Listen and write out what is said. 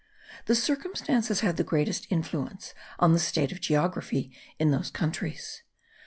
This circumstance has had the greatest influence on the state of geography in those countries.